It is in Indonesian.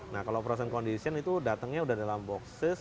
nah kalau frozen condition itu datangnya sudah dalam boxes